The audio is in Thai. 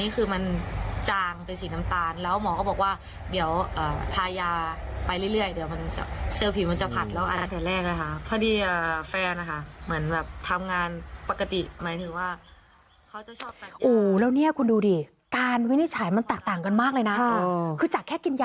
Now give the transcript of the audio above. ค่ะกินแค้ปวดแล้วมันจะหาย